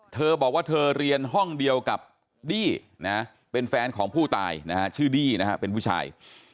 เธอบอกว่าเธอเรียนห้องเดียวกับดี้นะเป็นแฟนของผู้ตายนะฮะชื่อดี้นะฮะเป็นผู้ชาย